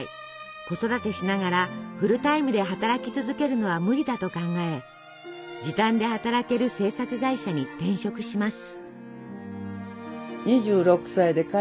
子育てしながらフルタイムで働き続けるのは無理だと考え時短で働ける制作会社に転職します。